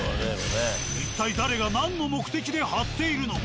一体誰が何の目的で貼っているのか。